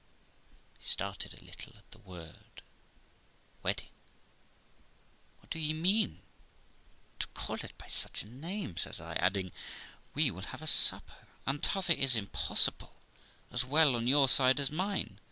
I started a little at the word wedding. 'What do ye mean, to call it by such a name?' says I; adding, 'We will have a supper, but t'other is impossible, as well on your side as mine.'